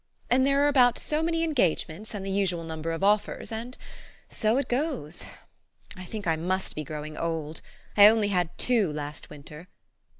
And there are about so many engagements, and the usual number of offers ; and so it goes. I think I must be growing old. I only had two last winter."